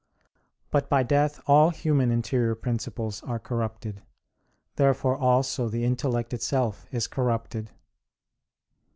But by death all human interior principles are corrupted. Therefore also the intellect itself is corrupted.